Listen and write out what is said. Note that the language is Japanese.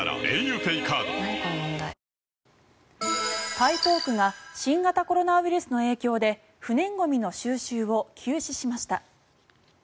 台東区が新型コロナウイルスの影響で不燃ゴミの収集を休止しました。